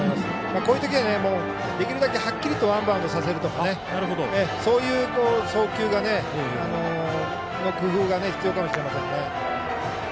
こういうときはできるだけ、はっきりとワンバウンドさせるとかそういう送球の工夫が必要かもしれません。